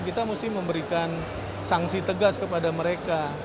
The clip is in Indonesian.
kita mesti memberikan sanksi tegas kepada mereka